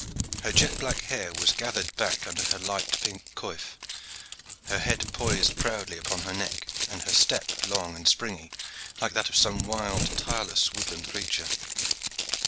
Her jet black hair was gathered back under a light pink coif, her head poised proudly upon her neck, and her step long and springy, like that of some wild, tireless woodland creature.